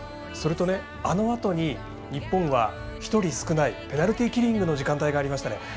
それと、あのあとに日本は１人少ないペナルティーキリングの時間帯がありましたね。